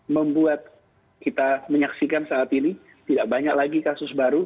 membuat kita menyaksikan saat ini tidak banyak lagi kasus baru